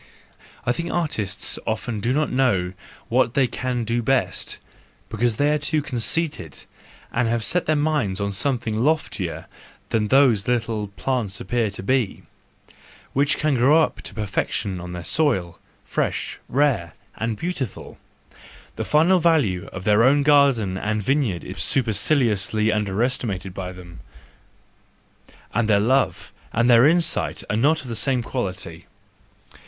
—I think artists often do not know what they can do best, because they are too conceited, and have set their minds on some¬ thing loftier than those little plants appear to be, which can grow up to perfection on their soil, fresh, rare, and beautiful. The final value of their own garden and vineyard is superciliously under¬ estimated by them, and their love and their insight are not of the same quality.